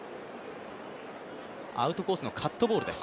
アウトコースのカットボールです。